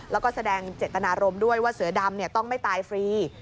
แล้วก็แสดงเจตนารมณ์ด้วยว่าเสือดำต้องไม่ตายฟรี